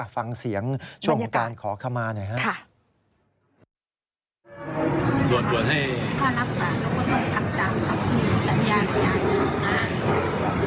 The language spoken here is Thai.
ฟังเสียงช่วงของการขอขมาหน่อยครับ